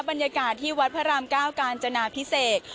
บรรยากาศที่วัดพระรามเก้ากาญจนาพิเศษ